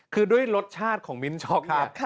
คือด้วยรสชาติของมิ้นช็อกครับ